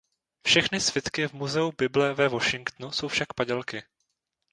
Všechny svitky v Muzeu Bible ve Washingtonu jsou však padělky.